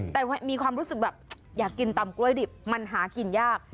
แต่มีความรู้สึกแบบอยากกินตำกล้วยดิบมันหากินยาก